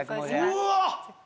うわっ！